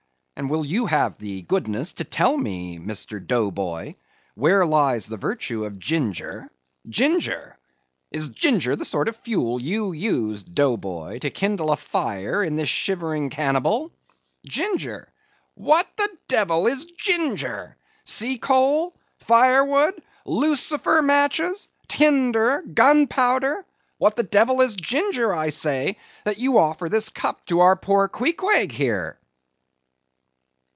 and will you have the goodness to tell me, Mr. Dough Boy, where lies the virtue of ginger? Ginger! is ginger the sort of fuel you use, Dough boy, to kindle a fire in this shivering cannibal? Ginger!—what the devil is ginger? Sea coal? firewood?—lucifer matches?—tinder?—gunpowder?—what the devil is ginger, I say, that you offer this cup to our poor Queequeg here."